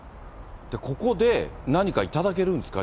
ここで何か頂けるんですか？